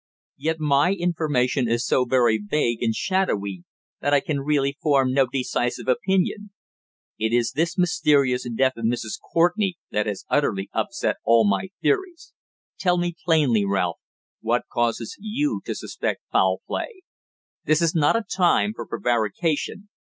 Yet my information is so very vague and shadowy that I can really form no decisive opinion. It is this mysterious death of Mrs. Courtenay that has utterly upset all my theories. Tell me plainly, Ralph, what causes you to suspect foul play? This is not a time for prevarication.